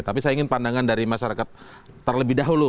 tapi saya ingin pandangan dari masyarakat terlebih dahulu